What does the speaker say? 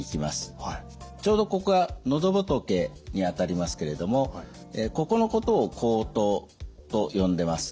ちょうどここが喉仏にあたりますけれどもここのことを喉頭と呼んでます。